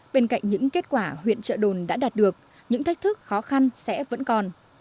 bên cạnh những kết quả huyện trợ đồn đã đạt được những thách thức khó khăn sẽ vẫn còn